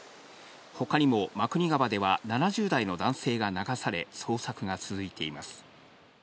ほかにも真国川では７０代の男性が流され、捜索が続いています。